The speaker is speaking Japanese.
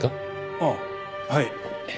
ああはい。